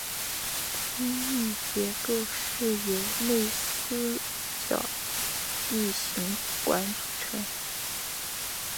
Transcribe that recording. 机翼结构是由内四角异型管组成。